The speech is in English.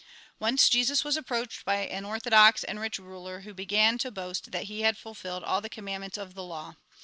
Once Jesus was approached by an orthodox and rich ruler, who began to boast that he had fulfilled all the commandments of the law.